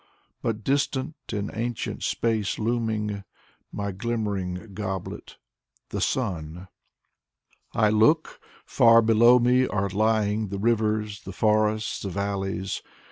But distant, in ancient space looming, My glimmering goblet: the Sun. I look — far below me are lying The rivers, the forests, the valleys.